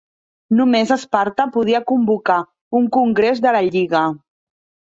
Només Esparta podia convocar un congrés de la Lliga.